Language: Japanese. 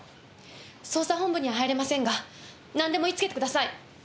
捜査本部には入れませんがなんでも言いつけてください。